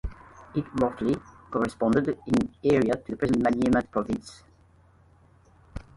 It roughly corresponded in area to the present Maniema province.